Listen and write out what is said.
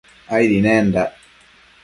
Aidi nendac